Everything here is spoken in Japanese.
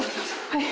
はい。